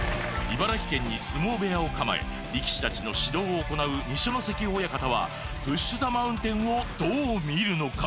茨城県に相撲部屋を構え力士たちの指導を行う二所ノ関親方はプッシュ・ザ・マウンテンをどうみるのか？